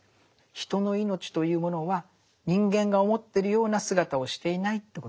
人の命というものは人間が思ってるような姿をしていないってことですよね。